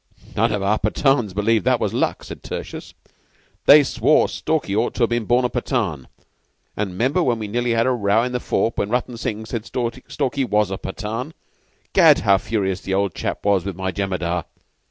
"None of our Pathans believed that was luck," said Tertius. "They swore Stalky ought to have been born a Pathan, and 'member we nearly had a row in the fort when Rutton Singh said Stalky was a Pathan? Gad, how furious the old chap was with my Jemadar!